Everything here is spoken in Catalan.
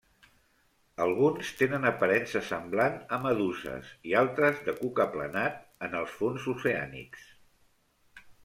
Alguns tenen aparença semblant a meduses i altres de cuc aplanat en els fons oceànics.